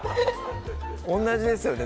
同じですよね